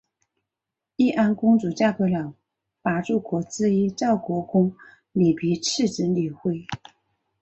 义安公主嫁给了八柱国之一赵国公李弼次子李晖。